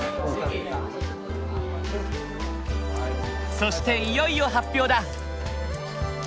そしていよいよ発表だ！